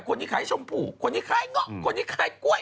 คนนี้ขายชมพู่คนนี้ขายเงาะคนนี้ขายกล้วย